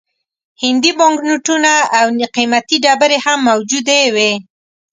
هندي بانک نوټونه او قیمتي ډبرې هم موجودې وې.